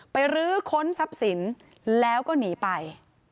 ไปฤ้าค้นทรัพสินแล้วก็หนีไป